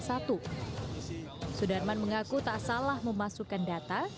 sudarman mengaku tak salah memasukkan data